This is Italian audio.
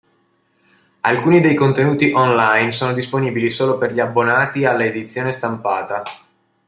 Alcuni dei contenuti on-line sono disponibili solo per gli abbonati alla edizione stampata.